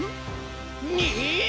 ２！